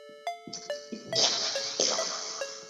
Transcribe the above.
میں پھنس چکے ہیں جس کا احساس